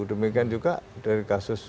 demikian juga dari kasus